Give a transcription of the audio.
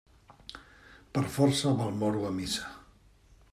Per força va el moro a missa.